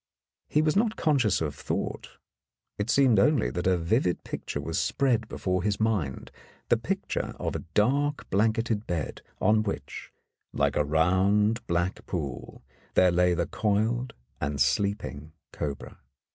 He was not conscious of thought ; it seemed only that a vivid picture was spread before his mind — the picture of a dark blan keted bed on which, like a round black pool, there lay the coiled and sleeping cobra.